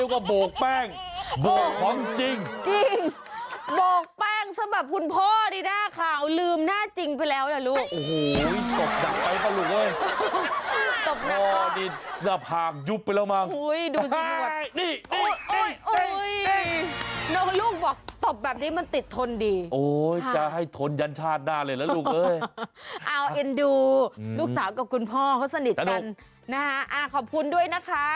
ขอบคุณด้วยนะคะคลิปน่ารักน่ารักนี้ค่ะ